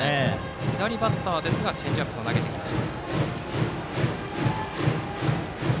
左バッターですがチェンジアップを投げてきました。